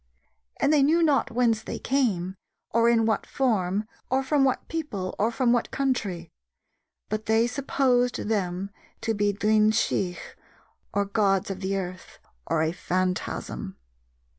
And they knew not whence they came, or in what form, or from what people, or from what country; but they supposed them to be Duine Sidh, or gods of the earth, or a phantasm."